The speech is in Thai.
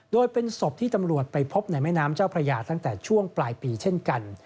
โดยเป็นศพที่ตำรวจไปพบในแม่น้ำเจ้าพระยาตั้งแต่ช่วงปลายปีเช่นกัน